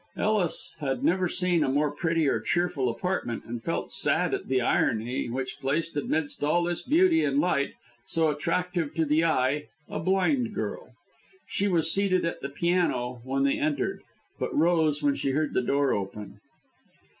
Ellis had never seen a more pretty or cheerful apartment, and felt sad at the irony which placed amidst all this beauty and light so attractive to the eye a blind girl. She was seated at the piano when they entered, but rose when she heard the door open.